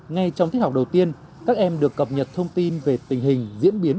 ngay trong thích học đầu tiên các em được cập nhật thông tin về tình hình diễn biến